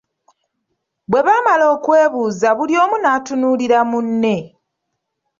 Bwe baamala okwebuuza buli omu n'atunuulira munne.